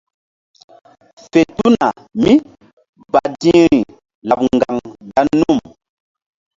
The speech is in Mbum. Fe tuna mí badi̧hri laɓ ŋgaŋ dan num.